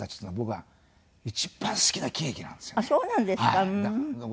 はい。